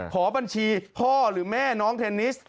ขอบัญชีพ่อหรือแม่น้องเทนนิส